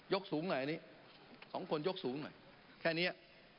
สูงหน่อยอันนี้๒คนยกสูงหน่อยแค่นี้